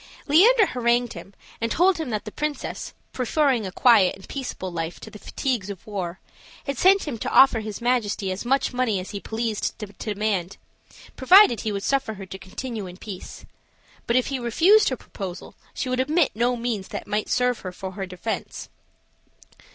Leander harangued him, and told him that the princess, preferring a quiet and peaceable life to the fatigues of war, had sent to offer his majesty as much money as he pleased to demand, provided he would suffer her to continue in peace; but if he refused her proposal, she would omit no means that might serve for her defense.